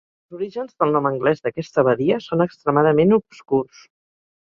Els orígens del nom anglès d'aquesta badia són extremadament obscurs.